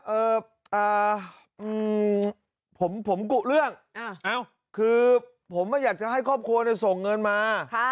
เอ่อผมกุเรื่องคือผมว่าอยากจะให้ครอบครัวส่งเงินมา